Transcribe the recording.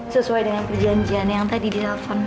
sesuai dengan perjanjian yang tadi di nelfon